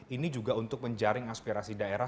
ini juga untuk menjaring aspirasi daerah